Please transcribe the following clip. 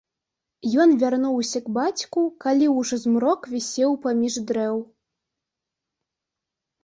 Ён вярнуўся к бацьку, калі ўжо змрок вісеў паміж дрэў.